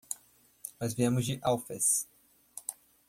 Nós viemos de Alfés.